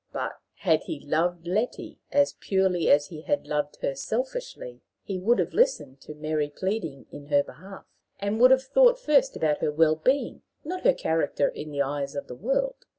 But, had he loved Letty as purely as he had loved her selfishly, he would have listened to Mary pleading in her behalf, and would have thought first about her well being, not about her character in the eyes of the world.